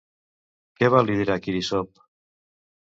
Què va liderar Quirísop?